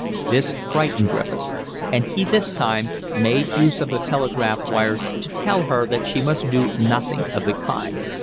This frightened Griffiths; and he, this time, made use of the telegraph wires to tell her that she must do nothing of the kind.